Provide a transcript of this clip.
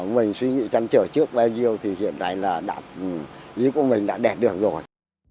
mình suy nghĩ chăn trở trước bảo hiểm xã hội bắt buộc thì hiện nay là díu của mình đã đẹp được rồi